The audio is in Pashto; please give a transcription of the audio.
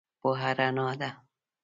پوهه رنا ده.